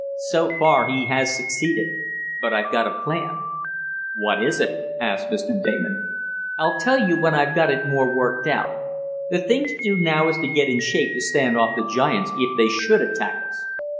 So far he has succeeded. But I've got a plan." "What is it?" asked Mr. Damon. "I'll tell you when I've got it more worked out. The thing to do now is to get in shape to stand off the giants if they should attack us.